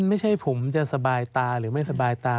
ไม่ใช่ผมจะสบายตาหรือไม่สบายตา